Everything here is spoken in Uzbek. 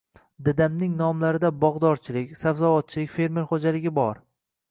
Dadamning nomlarida bogʼdorchilik, sabzavotchilik fermer xoʼjaligi bor.